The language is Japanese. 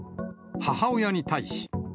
母親に対し。